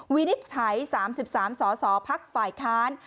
วินิจฉัยสามสิบสามสอสอภักษ์ฝ่ายคาน